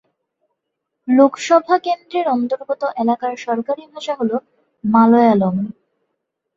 লোকসভা কেন্দ্রের অন্তর্গত এলাকার সরকারি ভাষা হল মালয়ালম।